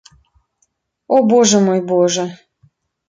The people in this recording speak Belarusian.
О, божа мой, божа!